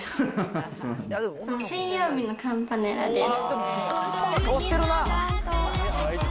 水曜日のカンパネラです。